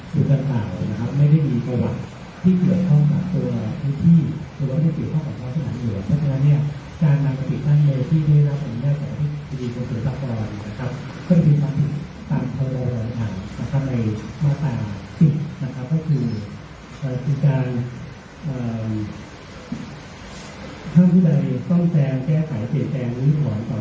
เครื่องการอุณหภาษาหรือศึกษนที่ใดใดหรือสิ่งสร้างอาคารภายในระยะอุณหภาษา